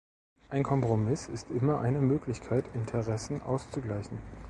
Ein Kompromiss ist immer eine Möglichkeit, Interessen auszugleichen.